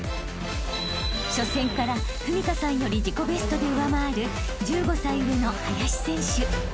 ［初戦から史佳さんより自己ベストで上回る１５歳上の林選手］